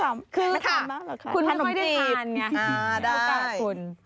พอการคุณ